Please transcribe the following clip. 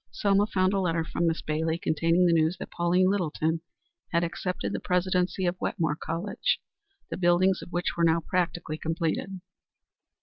Selma found a letter from Miss Bailey, containing the news that Pauline Littleton had accepted the presidency of Wetmore College, the buildings of which were now practically completed.